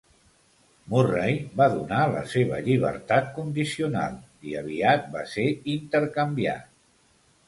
Murray va donar la seva llibertat condicional, i aviat va ser intercanviat.